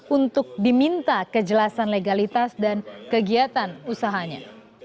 untuk diminta kejelasan legalitas dan kegiatan usahanya